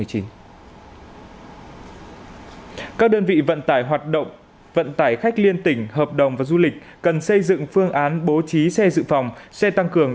các đơn vị vận tải hoạt động vận tải khách liên tỉnh hợp đồng và du lịch cần xây dựng phương án bố trí xe dự phòng xe tăng cường